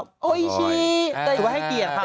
ดั้งไปคิดได้ว่าให้เกลียดเขา